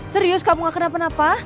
serius kamu gak kenapa napa